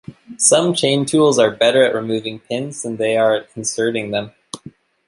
Some chain tools are better at removing pins than they are at inserting them.